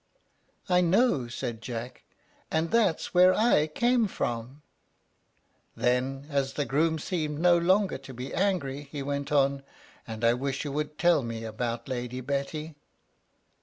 "I know," said Jack; "and that's where I came from." Then, as the groom seemed no longer to be angry, he went on: "And I wish you would tell me about Lady Betty."